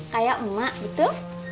kayak emak betul